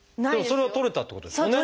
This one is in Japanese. それは取れたってことですよね。